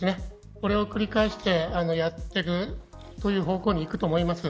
これを繰り返してやっていくという方向にいくと思います。